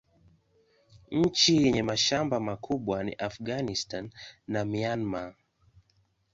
Nchi yenye mashamba makubwa ni Afghanistan na Myanmar.